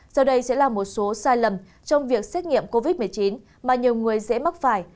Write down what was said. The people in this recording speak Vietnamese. sau đây sẽ là một số sai lầm trong việc xét nghiệm covid một mươi chín mà nhiều người dễ mắc phải